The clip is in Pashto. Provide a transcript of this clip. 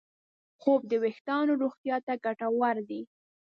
خوب د وېښتیانو روغتیا ته ګټور دی.